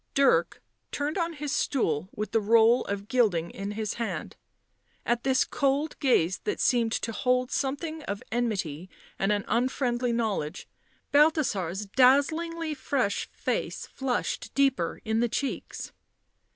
Dirk turned on his stool with the roll of gilding in his hand. At this cold gaze, that seemed to hold something of enmity and an unfriendly knowledge, Balthasar's dazzingly fresh face flushed deeper in the cheeks.